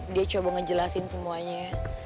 dia coba ngejelasin semuanya